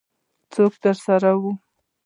څوک درسره وو؟